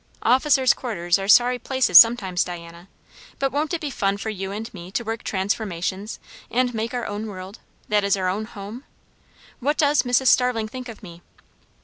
Officers' quarters are sorry places sometimes, Diana; but won't it be fun for you and me to work transformations, and make our own world; that is our own home? What does Mrs. Starling think of me?"